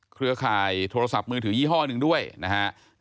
เครือข่ายโทรศัพท์มือถือยี่ห้อหนึ่งด้วยนะฮะ